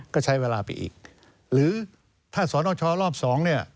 ก็ใช้เวลาไปอีกหรือถ้าสนชรอบสองเนี่ย